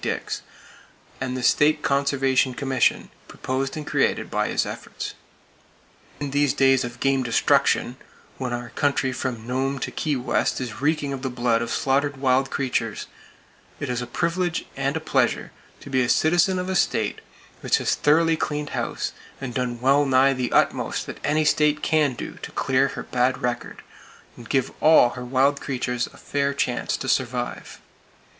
Dix, and the State Conservation Commission proposed and created by his efforts. In these days of game destruction, when our country from Nome to Key West is reeking with the blood of slaughtered wild creatures, it is a privilege and a pleasure to be a citizen of a state which has thoroughly cleaned house, and done well nigh the utmost that any state can do to clear her bad record, and give all her wild creatures a fair chance to survive.